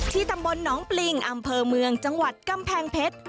ตำบลหนองปริงอำเภอเมืองจังหวัดกำแพงเพชร